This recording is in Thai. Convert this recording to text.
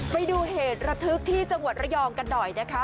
ไปดูเหตุระทึกที่จังหวัดระยองกันหน่อยนะคะ